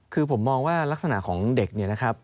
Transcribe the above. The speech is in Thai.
คือผมมองว่ารักษณะของเด็กเนี่ยนะครับ